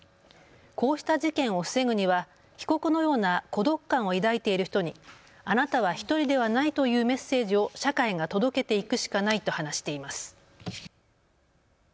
こうした事件を防ぐには被告のような孤独感を抱いている人にあなたは１人ではないというメッセージを社会が届けていくしかないと話しています。